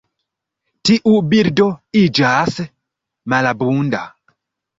Tiu birdo iĝas malabunda.